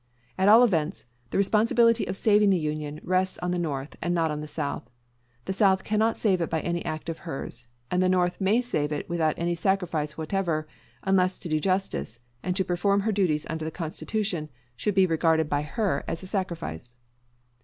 At all events, the responsibility of saving the Union rests on the North, and not on the South. The South cannot save it by any act of hers, and the North may save it without any sacrifice whatever; unless to do justice, and to perform her duties under the Constitution, should be regarded by her as a sacrifice.